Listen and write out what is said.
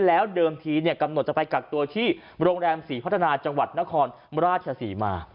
แล้วเดิมทีกำหนดจะไปกักตัวที่โรงแรมศรีพัฒนาจังหวัดนครราชศรีมา